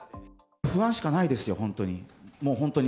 不安しかないですよ、本当に、もう本当に。